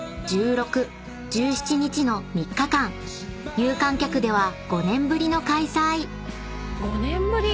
［有観客では５年ぶりの開催］